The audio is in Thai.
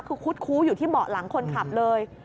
คือคุดคู้อยู่ที่เบาะหลังคนขับเลย